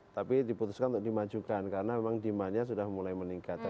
tapi diputuskan untuk dimajukan karena memang demandnya sudah mulai meningkat